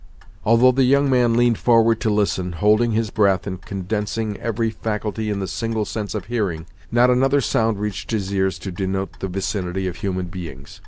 Although the young man leaned forward to listen, holding his breath and condensing every faculty in the single sense of hearing, not another sound reached his ears to denote the vicinity of human beings.